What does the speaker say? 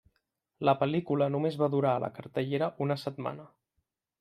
La pel·lícula només va durar a la cartellera una setmana.